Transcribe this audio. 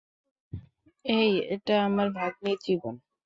এই, এটা আমার ভাগ্নির জীবন!